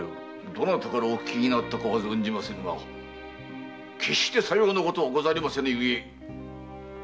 どなたからお聞きになったか存じませぬが決してさようなことはござりませぬゆえご安心を。